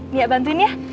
mia bantuin ya